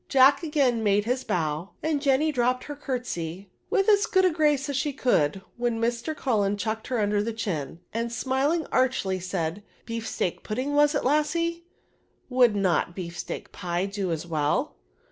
Jack again made his bow, and Jenny dropped her curtsey, with as good a grace as she could, when Mr. Cullen chucked her under the chin, and^ smiling archly, said, Beefsteak pudding was it, lassie; would not bee&teak pie do as well